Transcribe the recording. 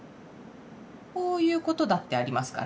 こういうことだってありますから。